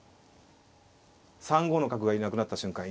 ３五の角がいなくなった瞬間